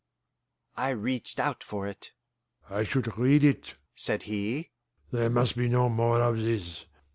I reached out for it. "I should read it," said he. "There must be no more of this.